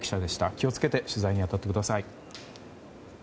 気を付けて取材に当たってください。